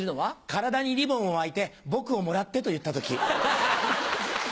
体にリボンを巻いて「僕をもらって」と言った時。